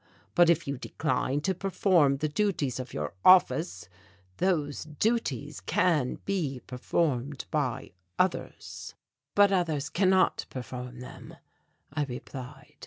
But if you decline to perform the duties of your office those duties can be performed by others." "But others cannot perform them," I replied.